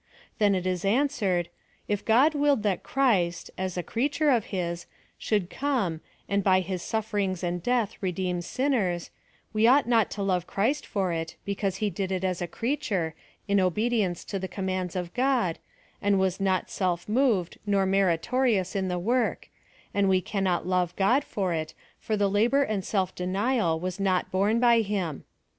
Then it is answered : if God willed that Christ, as '94 PfllLOSOPIIY OF THE a creature of his, slioiild come, and by his snfrcrii}g& and death redoem sinners, we oiio^ht not to love Christ for it, because he did it as a creature, in obe dience to the commands of God, and was not self moved nor meritorious in the work ; and we cannoi love God for it, for the labor and self denial was noi borne by him.